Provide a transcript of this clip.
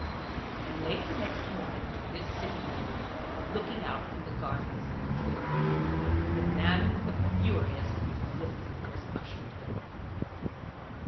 And late next morning to his sitting room looking out on the Gardens of the Tuileries the man with the furious look was ushered in.